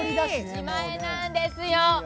自前なんですよ。